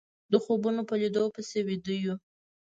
د خوبونو په ليدو پسې ويده يو